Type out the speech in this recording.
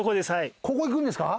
ここ行くんですか？